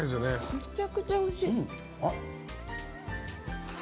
めちゃくちゃおいしい。